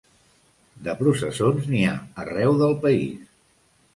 De processons, n’hi ha arreu del país.